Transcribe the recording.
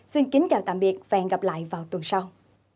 xin kính chào tạm biệt và hẹn gặp lại vào tuần sau